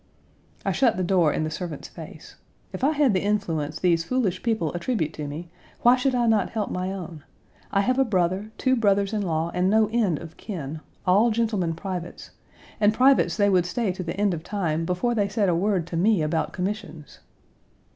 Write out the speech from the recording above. I shut the door in the servant's face. If I had the influence these foolish people attribute to me why should I not help my own? I have a brother, two brothers in law, and no end of kin, all gentlemen privates, and privates they would stay to the Page 146 end of time before they said a word to me about commissions.